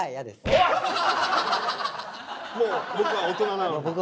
もう僕は大人なのに。